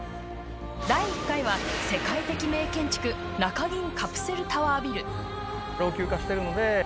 第１回は、世界的名建築中銀カプセルタワービル。